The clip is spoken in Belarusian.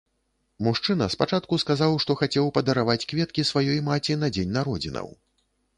Мужчына спачатку сказаў, што хацеў падараваць кветкі сваёй маці на дзень народзінаў.